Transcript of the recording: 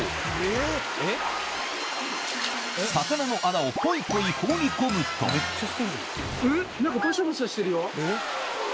魚の放り込むと何かバシャバシャしてるよ。